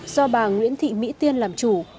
do bà nguyễn thị mỹ tiên làm chủ